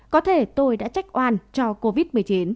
có thể tôi đã trách oan cho covid một mươi chín